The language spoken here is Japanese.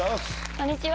こんにちは